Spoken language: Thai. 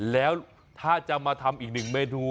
แล้วถ้าจะมาทำอีกหนึ่งเมนู